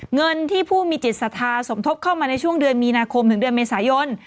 เงินที่ผู้มีจิตศรัทธาสมทบเข้ามาในช่วงเดือนมีนาคมถึงเดือนเมษายน